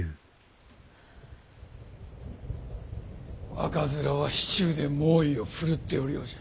赤面は市中で猛威を振るっておるようじゃ。